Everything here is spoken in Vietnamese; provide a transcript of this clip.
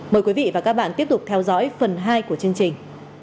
mời quý vị và các bạn tiếp tục theo dõi phần hai của chương trình